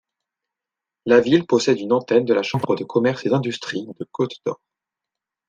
La ville possède une antenne de la Chambre de commerce et d'industrie de Côte-d'Or.